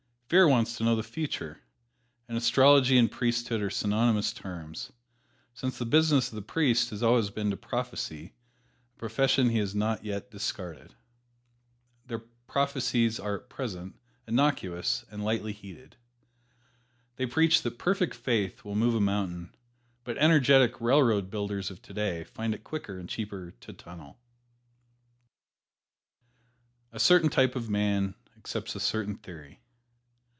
Fear wants to know the future, and astrology and priesthood are synonymous terms, since the business of the priest has always been to prophesy, a profession he has not yet discarded. Their prophecies are at present innocuous and lightly heeded. They preach that perfect faith will move a mountain, but energetic railroad builders of today find it quicker and cheaper to tunnel. A certain type of man accepts a certain theory.